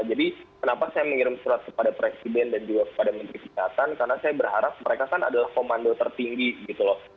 jadi kenapa saya mengirim surat kepada presiden dan juga kepada menteri kesehatan karena saya berharap mereka kan adalah komando tertinggi gitu loh